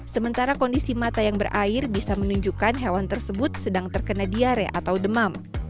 sementara kondisi mata yang berair bisa menunjukkan hewan tersebut sedang terkena diare atau demam